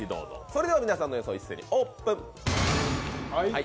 それでは、皆さんの予想を一斉にオープン！